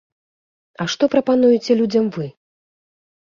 А што прапануеце людзям вы?